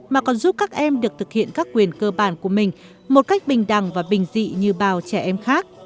mà còn giúp các em được thực hiện các quyền cơ bản của mình một cách bình đẳng và bình dị như bao trẻ em khác